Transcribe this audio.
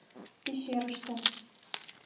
Пещерыште.